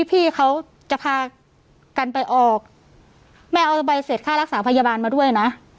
พี่เขาจะพากันไปออกแม่เอาใบเสร็จค่ารักษาพยาบาลมาด้วยนะ